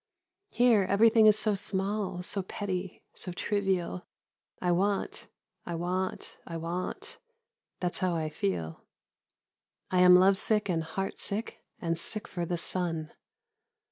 Here everything is so small, so petty, so trivial. I want, I want, I want, that's how I feel; I am lovesick and heartsick and sick for the sun.